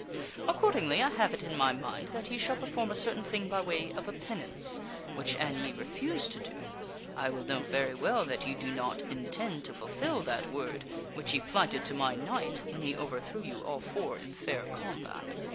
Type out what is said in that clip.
Accordingly I have it in my mind that ye shall perform a certain thing by way of a penance, which, an ye refuse to do, I will know very well that ye do not intend to fulfil that word which ye plighted to my knight when he overthrew you all four in fair combat.